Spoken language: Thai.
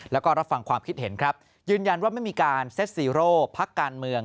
และรับฟังความคิดเห็นยืนยันว่าไม่มีการเซ็ต๐พักการเมือง